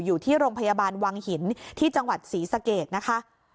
อยู่ที่โรงพยาบาลวังหินที่จังหวัดศรีสะเกดนะคะ